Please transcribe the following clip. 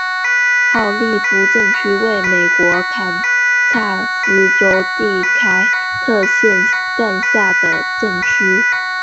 奥利夫镇区为美国堪萨斯州第开特县辖下的镇区。